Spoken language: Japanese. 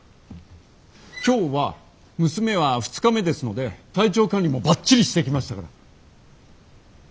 今日は娘は２日目ですので体調管理もばっちりしてきましたから！